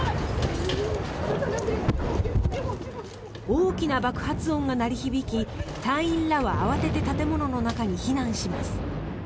大きな爆発音が鳴り響き隊員らは慌てて建物の中に避難します。